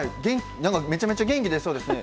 めちゃめちゃ元気出そうですね。